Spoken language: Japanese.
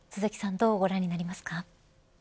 どうご覧になりますか。